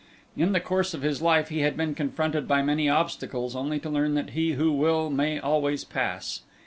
In the course of his life he had been confronted by many obstacles only to learn that he who will may always pass.